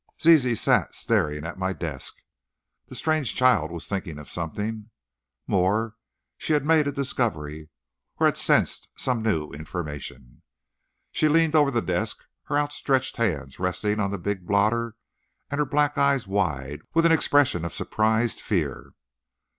Zizi sat staring at my desk. The strange child was thinking of something, more, she had made a discovery, or had sensed some new information. She leaned over the desk, her outstretched hands resting on the big blotter and her black eyes wide with an expression of surprised fear.